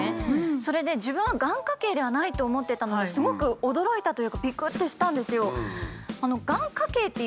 それで自分はがん家系ではないと思ってたのですごく驚いたというかびくってしたんですよ。